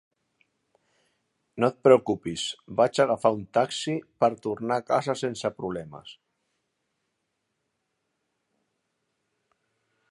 No et preocupis, vaig agafar un taxi per tornar a casa sense problemes.